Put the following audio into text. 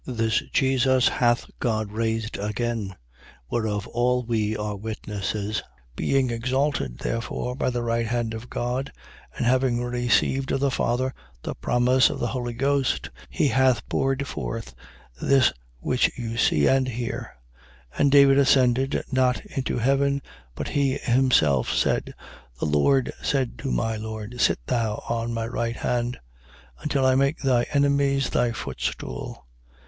2:32. This Jesus hath God raised again, whereof all we are witnesses. 2:33. Being exalted therefore by the right hand of God and having received of the Father the promise of the Holy Ghost, he hath poured forth this which you see and hear. 2:34. For David ascended not into heaven; but he himself said: The Lord said to my Lord: Sit thou on my right hand, 2:35. Until I make thy enemies thy footstool.